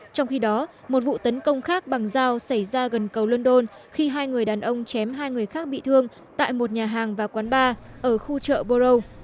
trong khi đó một vụ tấn công khác bằng dao xảy ra gần cầu london khi hai người đàn ông chém hai người khác bị thương tại một nhà hàng và quán bar ở khu chợ boro